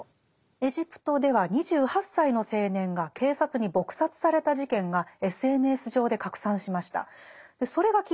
エジプトでは２８歳の青年が警察に撲殺された事件がＳＮＳ上で拡散しました。